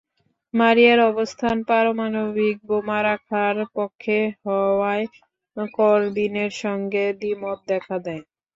মারিয়ার অবস্থান পারমাণবিক বোমা রাখার পক্ষে হওয়ায় করবিনের সঙ্গে দ্বিমত দেখা দেয়।